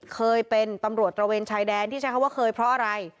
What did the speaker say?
เคยเป็นตำรวจตระเวนชายแดนที่ใช้คำว่าเคยเพราะอะไร